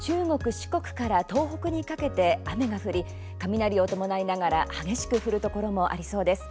四国から東北にかけて雨が降り、雷を伴いながら激しく降るところもありそうです。